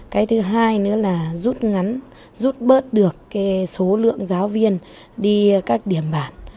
cái thứ hai nữa là rút ngắn rút bớt được số lượng giáo viên đi các điểm bản